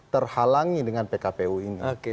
terhalangi dengan pkpu ini